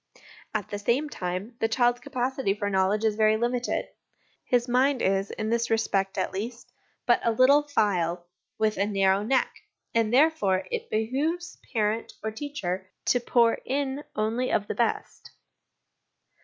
At the same time, the child's capacity for knowledge is very limited ; his mind is, in this respect at least, but a little phial with a narrow neck ; and, therefore, it behoves parent or teacher to pour in only of the best.